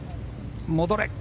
戻れ。